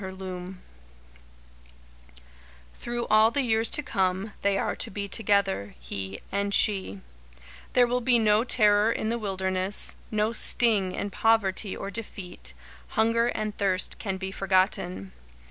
[Sidenote: Through all the Years to Come] Through all the years to come, they are to be together; he and she. There will be no terror in the wilderness, no sting in poverty or defeat hunger and thirst can be forgotten.